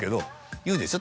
言うでしょ